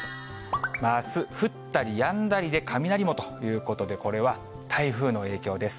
あす、降ったりやんだりで、雷もということで、これは台風の影響です。